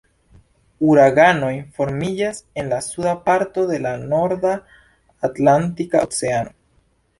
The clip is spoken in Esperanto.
Uraganoj formiĝas en la suda parto de la Norda Atlantika Oceano.